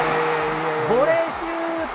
ボレーシュート！